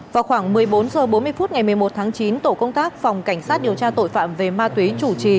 vào khoảng một mươi bốn h bốn mươi phút ngày một mươi một tháng chín tổ công tác phòng cảnh sát điều tra tội phạm về ma túy chủ trì